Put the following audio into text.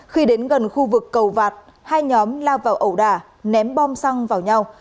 khi đến gần khu vực cầu vạt hai nhóm lao vào ẩu đà ném bom xăng vào nhau